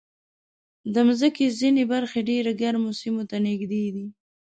د مځکې ځینې برخې ډېر ګرمو سیمو ته نږدې دي.